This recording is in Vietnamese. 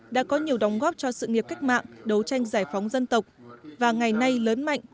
đã có nhiều đóng góp cho sự nghiệp cách mạng đấu tranh giải phóng dân tộc và ngày nay lớn mạnh